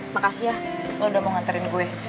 makasih ya lo udah mau ngantarin gue